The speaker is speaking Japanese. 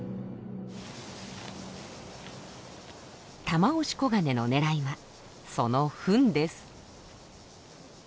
タマオシコガネの狙いはそのフンです。